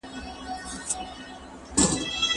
شاګرد د پوهنتون ټول اصول منلي دي.